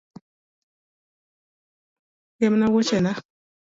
Gemna wuochena.